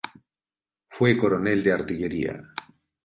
Fue coronel de artillería.